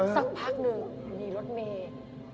สักพักหนึ่งมีรถเมย์